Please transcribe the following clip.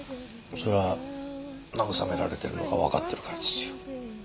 それは慰められてるのが分かってるからですよ。